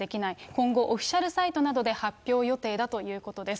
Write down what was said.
今後、オフィシャルサイトなどで発表予定だということです。